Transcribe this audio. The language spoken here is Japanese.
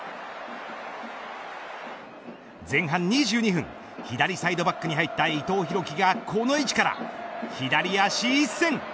前半２２分左サイドバックに入った伊藤洋輝がこの位置から左足一閃。